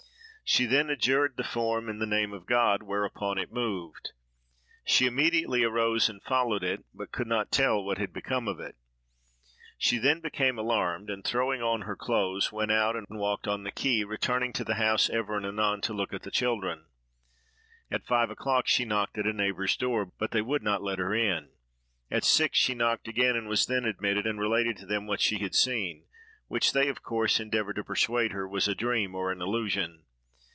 She then adjured the form in the name of God, whereupon it moved. She immediately arose and followed it, but could not tell what had become of it. She then became alarmed, and throwing on her clothes, went out and walked on the quay, returning to the house ever and anon to look at the children. At five o'clock she knocked at a neighbor's door, but they would not let her in. At six she knocked again and was then admitted, and related to them what she had seen, which they, of course, endeavored to persuade her was a dream or an illusion.